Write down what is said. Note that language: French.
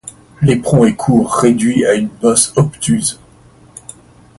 L'éperon est court, réduit à une bosse obtuse.